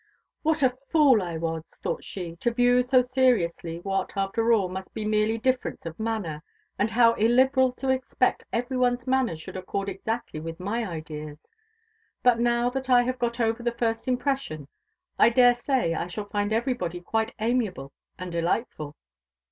"What a fool I was," thought she, "to view so seriously what, after all, must be merely difference of manner; and how illiberal to expect every one's manners should accord exactly with my ideas; but now that I have got over the first impression, I daresay I shall find everybody quite amiable and delightful!"